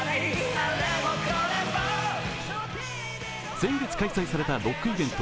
先月開催されたロックイベント